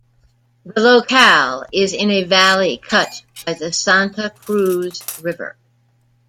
The locale is in a valley cut by the Santa Cruz River.